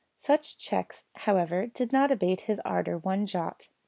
Such checks, however, did not abate his ardour one jot.